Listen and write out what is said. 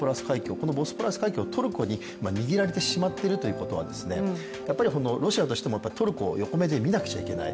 このボスポラス海峡をトルコに握られてしまっているということはやっぱりロシアとしてもトルコを横目で見なくちゃいけない。